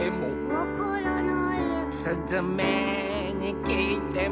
「わからない」「すずめにきいても」